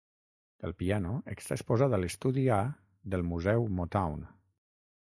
El piano està exposat a l'estudi A del museu Motown.